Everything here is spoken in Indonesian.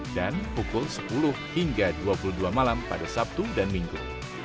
dan pukul sepuluh hingga dua puluh dua malam pada sabtu dan minggu